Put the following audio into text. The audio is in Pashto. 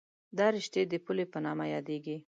دا رشتې د پلې په نامه یادېږي.